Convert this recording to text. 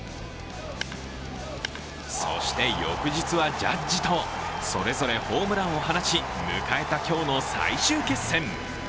そして、翌日はジャッジとそれぞれホームランを放ち迎えた今日の最終決戦。